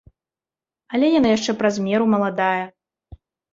Але яна яшчэ праз меру маладая.